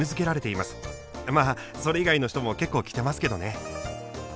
まあそれ以外の人も結構着てますけどね。